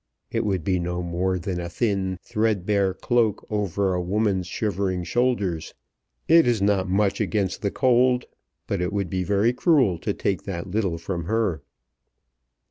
It would be no more than a thin threadbare cloak over a woman's shivering shoulders. It is not much against the cold; but it would be very cruel to take that little from her."